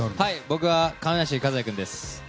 僕は亀梨和也君です。